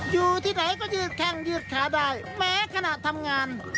อยู่ที่ไหนก็ยืดแข้งยืดขาได้แม้ขณะทำงาน